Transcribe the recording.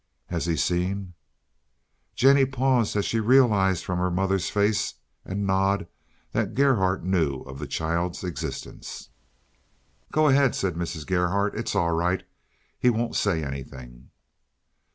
"Has he seen?" Jennie paused as she realized from her mother's face and nod that Gerhardt knew of the child's existence. "Go ahead," said Mrs. Gerhardt; "it's all right. He won't say anything."